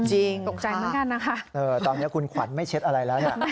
จริงตกใจเหมือนกันนะคะตอนนี้คุณขวัญไม่เช็ดอะไรแล้วเนี่ย